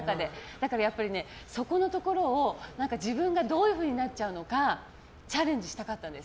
だから、そこのところを自分がどういうふうになっちゃうのかチャレンジしたかったんです。